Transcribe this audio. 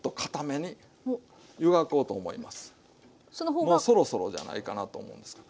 もうそろそろじゃないかなと思うんですけど。